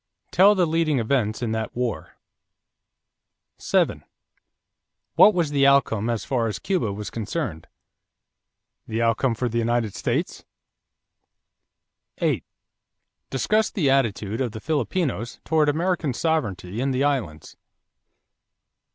Tell the leading events in that war. 7. What was the outcome as far as Cuba was concerned? The outcome for the United States? 8. Discuss the attitude of the Filipinos toward American sovereignty in the islands.